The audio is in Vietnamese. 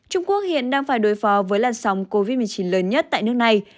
trung quốc hiện đang phải đối phó với làn sóng covid một mươi chín lớn nhất tại nước này